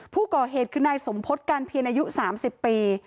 ผู้ก่อเหตุคือนายสมพฤษการเพียรอายุ๓๐ปี